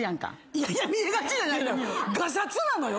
いやいや見えがちじゃないのよ。